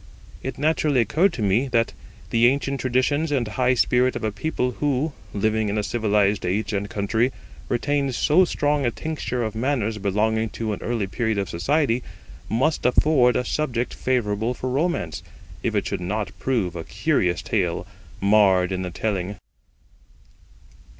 It naturally occurred to me that the ancient traditions and high spirit of a people who, living in a civilised age and country, retained so strong a tincture of manners belonging to an early period of society, must afford a subject favourable for romance, if it should not prove a curious tale marred in the telling.